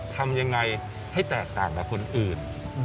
ทำยังไงให้แตกต่างกับคนอื่น